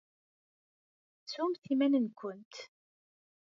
Tettumt iman-nkent.